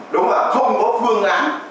đúng rồi không có phương án